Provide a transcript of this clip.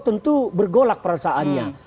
tentu bergolak perasaannya